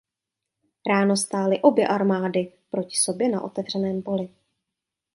Ráno stály obě armády proti sobě na otevřeném poli.